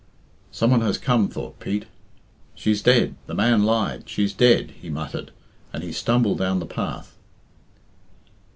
"Some one has come," thought Pete. "She's dead. The man lied. She's dead," he muttered, and he stumbled down the path.